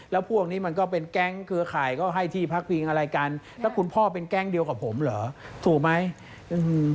แล้วพวกนี้มันก็เป็นแก๊งเครือข่ายก็ให้ที่พักพิงอะไรกันแล้วคุณพ่อเป็นแก๊งเดียวกับผมเหรอถูกไหม